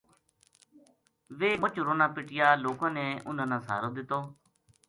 ویہ مُچ رُنا پِٹیا لوکاں نے اُنھاں نا سہارو دَتو